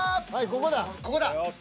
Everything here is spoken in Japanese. ここだ。